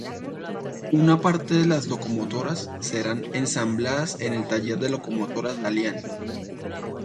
Una parte de las locomotoras serán ensambladas en el Taller de Locomotoras Dalian.